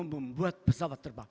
mau membuat pesawat terbang